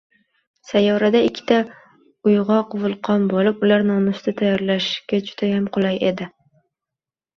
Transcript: Sayyorada ikkita uyg‘oq vulqon bo‘lib, ular nonushta tayyorlashga judayam qulay edi.